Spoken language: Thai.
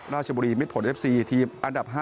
ราชบุรีมิดผลเอฟซีทีมอันดับ๕